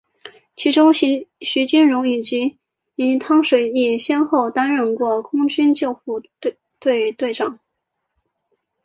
其中徐金蓉以及汤水易先后担任过空军救护队队长。